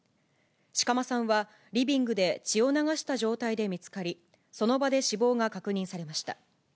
志鎌さんはリビングで血を流した状態で見つかり、その場で死亡が確認されました。